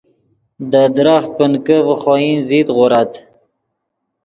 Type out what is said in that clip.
دے درخت پنکے ڤے خوئن زت غورت